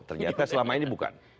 ternyata selama ini bukan